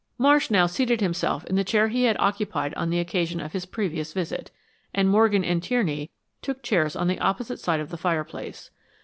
Marsh now seated himself in the chair he had occupied on the occasion of his previous visit, and Morgan and Tierney took chairs on the opposite side of the fireplace.